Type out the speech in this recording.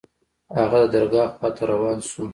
هغه د درګاه خوا ته روان سو.